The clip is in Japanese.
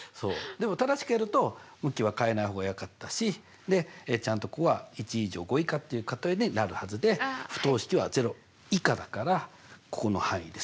でも正しくやると向きは変えない方がよかったしでちゃんとここは１以上５以下っていう答えになるはずで不等式は０以下だからここの範囲ですと。